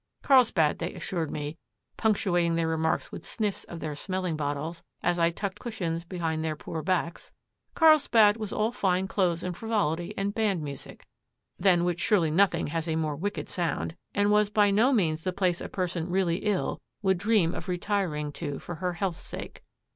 Carlsbad, they assured me, punctuating their remarks with sniffs of their smelling bottles as I tucked cushions behind their poor backs, Carlsbad was all fine clothes and frivolity and band music (than which surely nothing has a more wicked sound), and was by no means the place a person really ill would dream of retiring to for her health's sake.